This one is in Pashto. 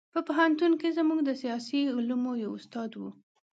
په پوهنتون کې زموږ د سیاسي علومو یو استاد و.